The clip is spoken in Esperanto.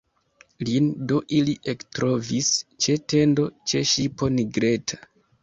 Lin do ili ektrovis ĉe tendo, ĉe ŝipo nigreta.